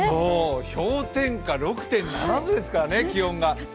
氷点下６．７度ですからね、気温が。